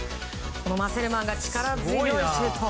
マセルマンが力強いシュート。